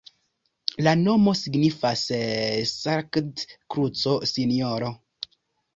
La nomo signifas Sarkad-kruco-Sinjoro.